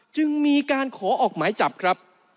จึงมีการขอออกหมายจับครับ